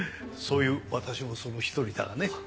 そういう私もその１人だがね。